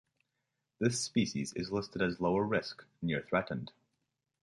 This species is listed as lower risk, near threatened.